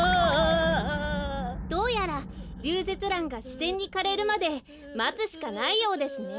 どうやらリュウゼツランがしぜんにかれるまでまつしかないようですね。